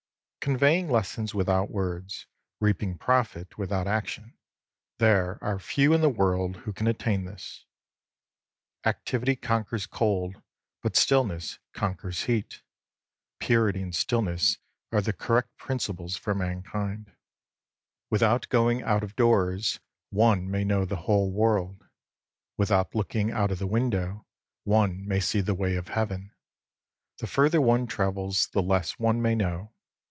Conveying lessons without words, reaping profit without action, — there are few in the world who can attain to this ! Activity conquers cold, but stillness conquers heat. Purity and stillness are the correct principles for mankind. Without going out of doors one may know the whole world ; without looking out of the window, one may see the Way of Heaven. The further one travels, the less one may know.